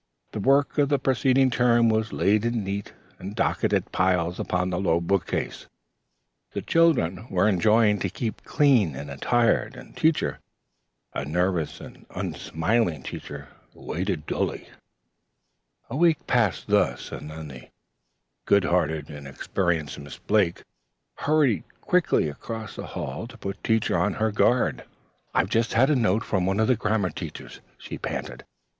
The work of the preceding term was laid in neat and docketed piles upon the low book case. The children were enjoined to keep clean and entire. And Teacher, a nervous and unsmiling Teacher, waited dully. A week passed thus, and then the good hearted and experienced Miss Blake hurried ponderously across the hall to put Teacher on her guard. "I've just had a note from one of the grammar teachers," she panted.